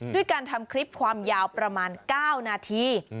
ด้วยการทำคลิปความยาวประมาณ๙นาที